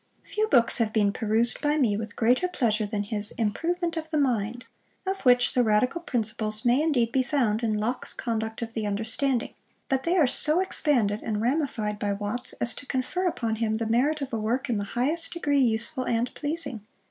Few books have been perused by me with greater pleasure than his Improvement of the Mind, of which the radical principles may indeed be found in Locke's Conduct of the Understanding, but they are so expanded and ramified by Watts, as to confer upon him the merit of a work in the highest degree useful and pleasing.